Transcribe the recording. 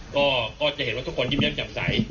ก็จะเห็นว่าทุกคนยิ้มแย้มจับใส